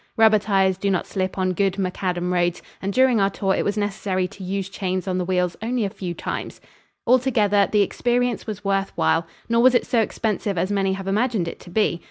Rubber tires do not slip on good macadam roads and during our tour it was necessary to use chains on the wheels only a few times. Altogether, the experience was worth while; nor was it so expensive as many have imagined it to be.